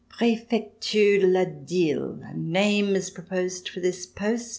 Prejecture de La Dyle: a name is proposed for this post.